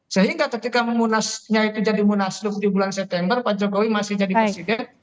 sehingga ketika munasnya itu jadi munaslup di bulan september pak jokowi masih jadi presiden